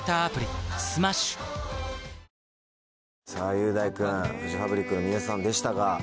雄大君フジファブリックの皆さんでしたが。